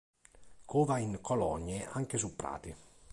Cova in colonie, anche su prati.